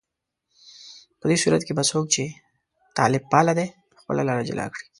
په دې صورت کې به څوک چې طالب پاله دي، خپله لاره جلا کړي